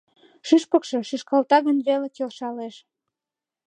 Шӱшпыкшӧ шӱшкалта гын веле, келшалеш.